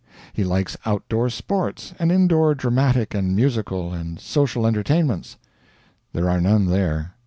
He likes outdoor sports and indoor dramatic and musical and social entertainments there are none there.